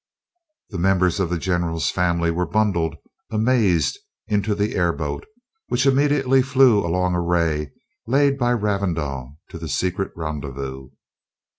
The members of the general's family were bundled, amazed, into the airboat, which immediately flew along a ray laid by Ravindau to the secret rendezvous.